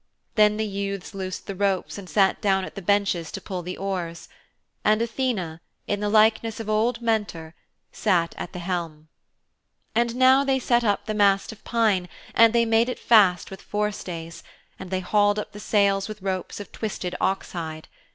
Then the youths loosed the ropes and sat down at the benches to pull the oars. And Athene, in the likeness of old Mentor, sat at the helm. And now they set up the mast of pine and they made it fast with forestays, and they hauled up the sails with ropes of twisted oxhide.